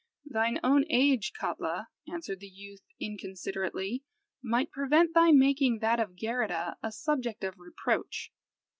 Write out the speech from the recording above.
"Thine own age, Katla," answered the youth inconsiderately, "might prevent thy making that of Geirrida a subject of reproach."